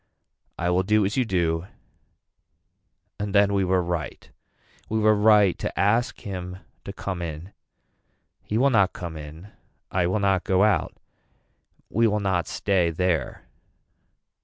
I will do as you do and then we were right. We were right to ask him to come in. He will not come in. I will not go out. We will not stay there.